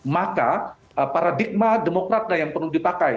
maka paradigma demokratnya yang perlu dipakai